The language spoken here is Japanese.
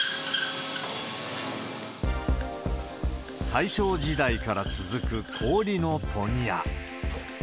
大正時代から続く氷の問屋。